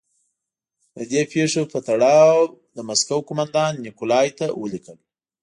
د دې پېښو په تړاو د مسکو قومندان نیکولای ته ولیکل.